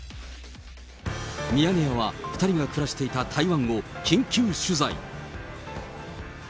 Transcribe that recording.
ミヤネ屋は、２人が暮らしていた台湾を緊急取材。